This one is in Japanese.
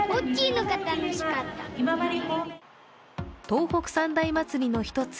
東北三大祭りの一つ